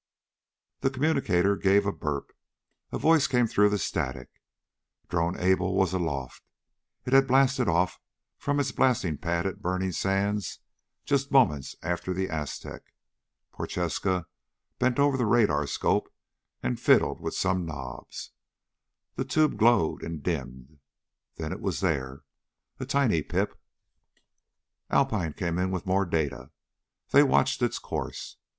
The communicator gave a burp. A voice came through the static. Drone Able was aloft. It had blasted off from its blasting pad at Burning Sands just moments after the Aztec. Prochaska bent over the radarscope and fiddled with some knobs. The tube glowed and dimmed, then it was there a tiny pip. Alpine came in with more data. They watched its course.